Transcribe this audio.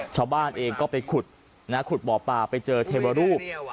ชาวบ้านเองก็ไปขุดนะขุดบ่อปลาไปเจอเทวรูป